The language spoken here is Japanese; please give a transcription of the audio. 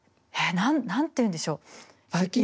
えっ何ていうんでしょう。